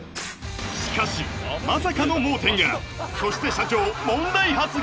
しかしまさかの盲点がそして社長問題発言